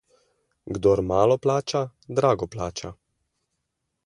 Kdor malo plača, drago plača.